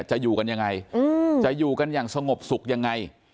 จะอยู่กันยังไงจะอยู่กันอย่างสงบสุขยังไง